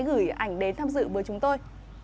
gửi ảnh đến tham dự với chúng tôi